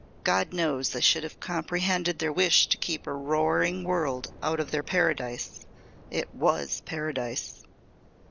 God knows I should have comprehended their wish to keep a roaring world out of their paradise. It was paradise!"